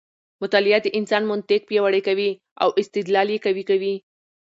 مطالعه د انسان منطق پیاوړی کوي او استدلال یې قوي کوي.